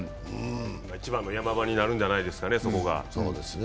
一番のヤマ場になるんじゃないですかね、そこが。